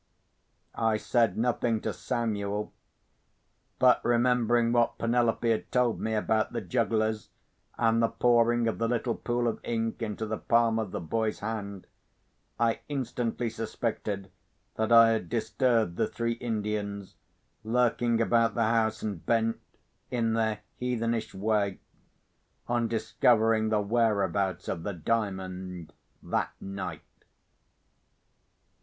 I said nothing to Samuel. But, remembering what Penelope had told me about the jugglers, and the pouring of the little pool of ink into the palm of the boy's hand, I instantly suspected that I had disturbed the three Indians, lurking about the house, and bent, in their heathenish way, on discovering the whereabouts of the Diamond that night.